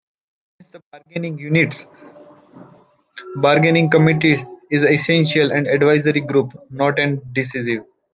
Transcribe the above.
Hence the bargaining unit's bargaining committee is essentially an advisory group, and not decisive.